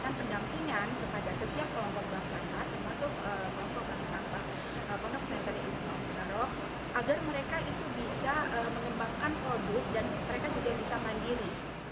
agar mereka itu bisa mengembangkan produk dan mereka juga bisa mandiri